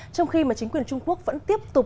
trong khi mà chính quyền trung quốc vẫn tiếp tục